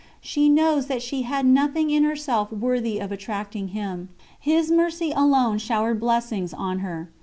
She knows that she had nothing in herself worthy of attracting Him: His Mercy alone showered blessings on her.